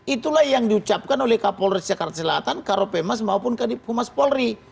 itulah yang diucapkan oleh kapolres jakarta selatan karopemas maupun kadip humas polri